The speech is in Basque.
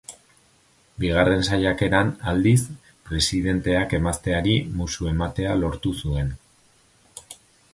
Bigarren saiakeran, aldiz, presidenteak emazteari musu ematea lortu zuen.